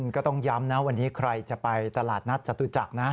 ก็ต้องย้ำนะวันนี้ใครจะไปตลาดนัดจตุจักรนะ